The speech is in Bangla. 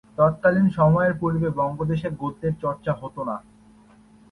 তৎকালীন সময়ের পূর্বে বঙ্গদেশে গদ্যের চর্চা হতো না।